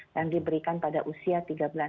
yang diberikan pada usia tiga bulan